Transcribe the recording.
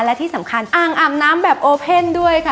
และที่สำคัญอ่างอาบน้ำแบบโอเพ่นด้วยค่ะ